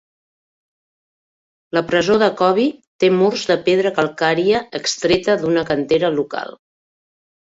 La presó de Coby té murs de pedra calcària extreta d'una cantera local.